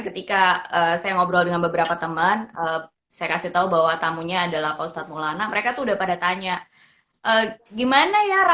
ketika saya ngobrol dengan beberapa teman teman saya sudah banyak nanya sebenarnya dari kemarin ketika saya ngobrol dengan beberapa teman saya sudah banyak nanya sebenarnya dari kemarin ketika saya ngobrol dengan beberapa teman